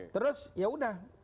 terus ya udah